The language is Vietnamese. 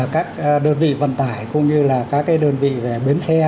các đơn vị vận tải cũng như là các đơn vị về bến xe